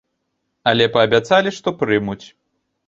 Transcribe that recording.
Але паабяцалі, што прымуць.